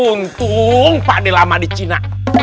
untung pade lama di cina